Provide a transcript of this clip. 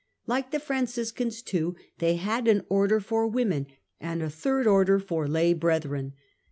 Like the Franciscans, too, they had an Order for women and a " Third Order " for lay brethren.